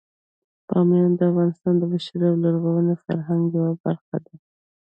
بامیان د افغانستان د بشري او لرغوني فرهنګ یوه برخه ده.